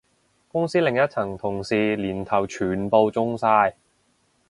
公司另一層同事年頭全部中晒